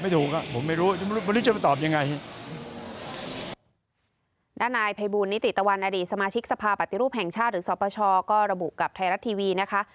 ด้านนายภัยบูลนิติตะวันอดีตสมาชิกสภาปฏิรูปแห่งชาติหรือสปชก็ระบุกับไทยรัฐทีวีนะคะ